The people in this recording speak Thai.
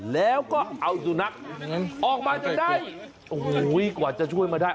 แล้วก็เอาสุนัขออกมาจากได้โอ้โหกว่าจะช่วยมาได้